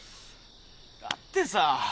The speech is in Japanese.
だってさあ。